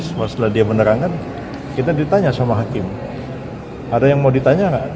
setelah dia menerangkan kita ditanya sama hakim ada yang mau ditanya nggak